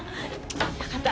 よかった。